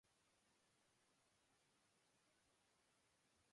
Perilakunya membuat kami terkejut.